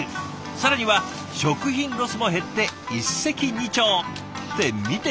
更には食品ロスも減って一石二鳥。って見て！